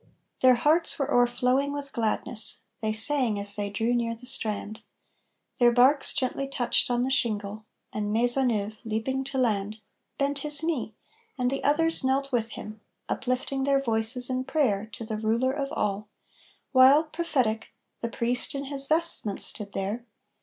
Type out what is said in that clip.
Their hearts were o'erflowing with gladness. They sang as they drew near the strand. Their barks gently touched on the shingle, and Maisonneuve, leaping to land, Bent his knee, and the others knelt with him, uplifting their voices in prayer To the Ruler of all, while, prophetic, the priest in his vestments stood there.